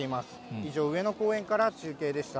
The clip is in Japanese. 以上、上野公園から中継でした。